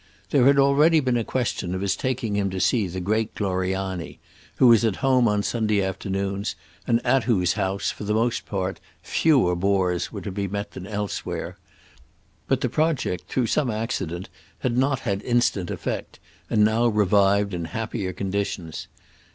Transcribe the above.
There had already been a question of his taking him to see the great Gloriani, who was at home on Sunday afternoons and at whose house, for the most part, fewer bores were to be met than elsewhere; but the project, through some accident, had not had instant effect, and now revived in happier conditions.